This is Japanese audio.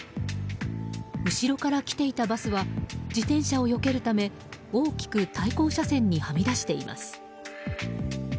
後ろから来ていたバスは自転車をよけるため大きく対向車線にはみ出しています。